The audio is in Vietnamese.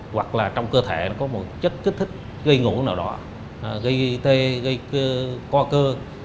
hoặc là trong cơ thể nó có một chất kích thích gây ngủ nào đó gây tê gây co cơ